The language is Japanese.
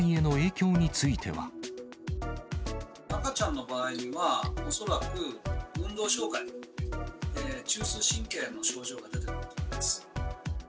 赤ちゃんの場合には、恐らく運動障害、中枢神経への症状が出てくると思います。